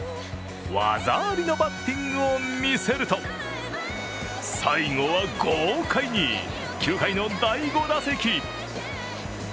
技ありのバッティングを見せると、最後は豪快に、９回の第５打席。